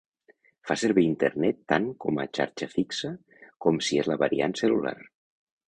Fa servir internet tant com a xarxa fixa com si és la variant cel·lular.